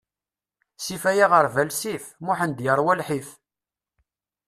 Sif ay aɣerbal, sif; Muḥend yerwa lḥif!